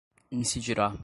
incidirá